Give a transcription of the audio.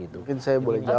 mungkin saya boleh jawab